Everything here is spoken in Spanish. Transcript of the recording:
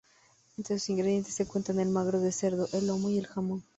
Entre sus ingredientes se cuentan el magro de cerdo, el lomo y el jamón.